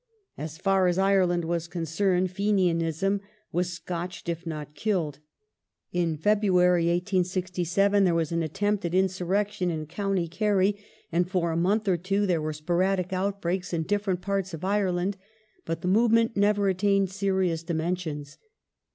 As far as Ireland was concerned Fenianism was scotched if not killed. In February, 1867, there was an attempt at insurrection in County Kerry, and for a month or two there were sporadic outbreaks in different parts of Ireland ; but the movement never attained serious dimensions.